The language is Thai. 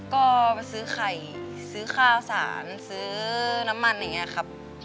ก็ไปซื้อไข่ซื้อข้าวสารซื้อน้ำมันอย่างนี้ครับ